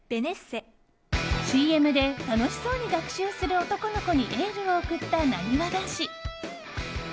ＣＭで楽しそうに学習する男の子にエールを送った、なにわ男子。